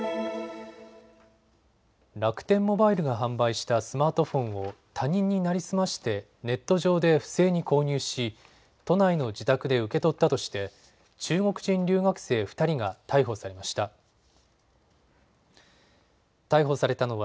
楽天モバイルが販売したスマートフォンを他人に成り済ましてネット上で不正に購入し都内の自宅で受け取ったとして中国人留学生２人が逮捕されました。